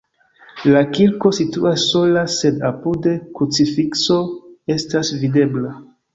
La kirko situas sola, sed apude krucifikso estas videbla.